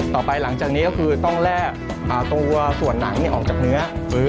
ต่อไปหลังจากนี้คือต้องและตัวส่วนน้ำเนี่ยออกจากเนื้อ